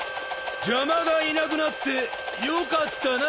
邪魔がいなくなってよかったな。